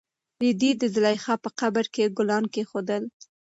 رېدي د زلیخا په قبر کې ګلان کېښودل.